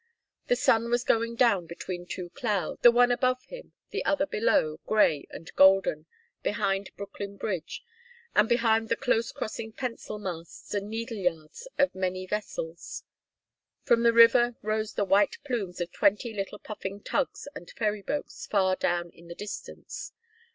The sun was going down between two clouds, the one above him, the other below, grey and golden, behind Brooklyn bridge, and behind the close crossing pencil masts and needle yards of many vessels. From the river rose the white plumes of twenty little puffing tugs and ferry boats far down in the distance.